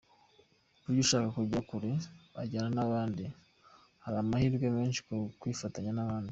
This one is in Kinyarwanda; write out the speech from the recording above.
Burya ushaka kugera kure ujyana n’abandi, hari amahirwe menshi mu kwifatanya n’abandi.